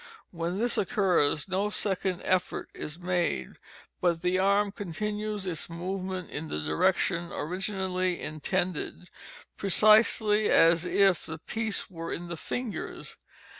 When this occurs, no second effort is made, but the arm continues its movement in the direction originally intended, precisely as if the piece were in the fingers.